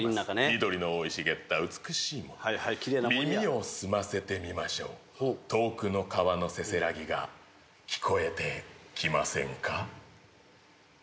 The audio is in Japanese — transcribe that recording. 緑の生い茂った美しい森キレイな森や耳を澄ませてみましょう遠くの川のせせらぎが聞こえてきませんか？